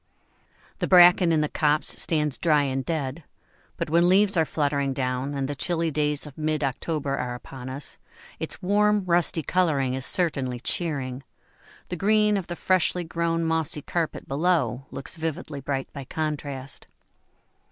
] The bracken in the copse stands dry and dead, but when leaves are fluttering down and the chilly days of mid October are upon us, its warm, rusty colouring is certainly cheering; the green of the freshly grown mossy carpet below looks vividly bright by contrast.